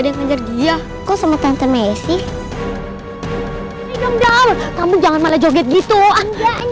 ada yang ngejar dia kok sama tante messi kamu jangan malah joget gitu ah